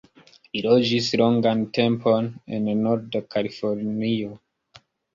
Li loĝis longan tempon en norda Kalifornio.